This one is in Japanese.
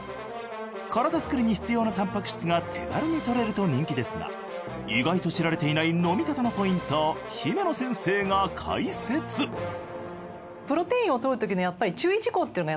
体作りに必要なタンパク質が手軽に摂れると人気ですが意外と知られていない飲み方のポイントを姫野先生が解説１つはあの。